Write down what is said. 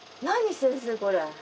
先生これ。